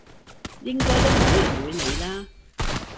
應該都冇人會理啦！